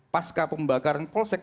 pasca pembakaran polsek